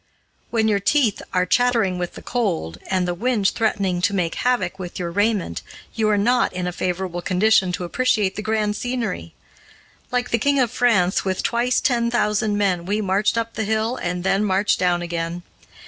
When your teeth are chattering with the cold, and the wind threatening to make havoc with your raiment, you are not in a favorable condition to appreciate grand scenery. Like the king of France with twice ten thousand men, we marched up the hill and then, marched down again.